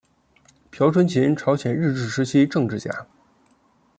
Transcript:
朴春琴朝鲜日治时期政治家。